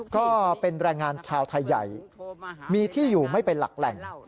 ก็เป็นแรงงานชาวไทยใหญ่มีที่อยู่ไม่เป็นหลักแหล่ง